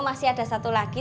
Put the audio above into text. masih ada satu lagi